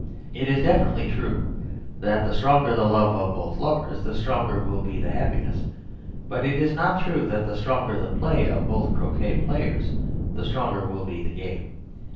It is definitely true that the stronger the love of both lovers, the stronger will be the happiness. But it is not true that the stronger the play of both croquet players the stronger will be the game.